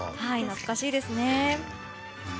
懐かしいですね。